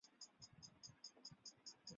知名歌仔戏演员许秀年是他的妻子。